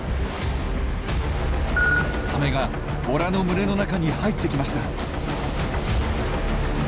サメがボラの群れの中に入ってきました！